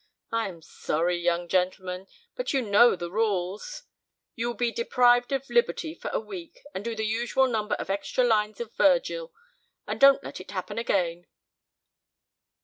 I am sorry, young gentlemen, but you know the rules. You will be deprived of liberty for a week, and do the usual number of extra lines of Virgil. And don't let it happen again."